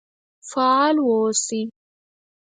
فعال و اوسئ